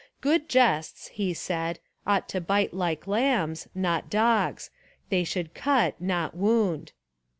"Good jests," he said, "ought to bite like lambs, not dogs: they should cut, not wound."